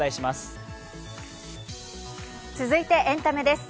続いてエンタメです。